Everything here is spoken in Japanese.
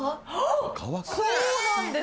そうなんです。